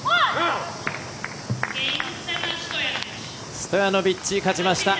ストヤノビッチ、勝ちました。